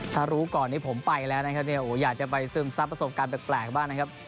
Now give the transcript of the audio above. ถ้ารู้ก่อนนี้ผมไปแล้วนะครับเนี่ยอยากจะไปซึมซับประสบการณ์แปลกบ้างนะครับ